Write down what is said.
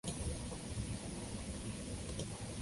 Mia mbili sitini na tano hadi mia nne na ishirini